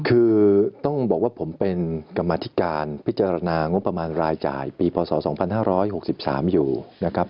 คือต้องบอกว่าผมเป็นกรรมธิการพิจารณางบประมาณรายจ่ายปีพศ๒๕๖๓อยู่นะครับ